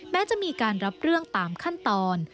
แม้จะมีการรับเรื่องตามขั้นตอน